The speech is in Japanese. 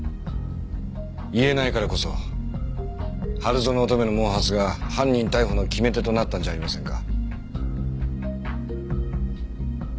言えないからこそ春薗乙女の毛髪が犯人逮捕の決め手となったんじゃありませんか？